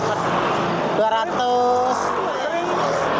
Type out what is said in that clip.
kadang kadang dapat dua ratus